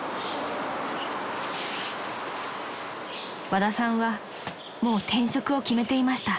［和田さんはもう転職を決めていました］